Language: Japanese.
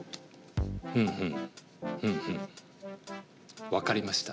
ふんふんふんふん分かりました。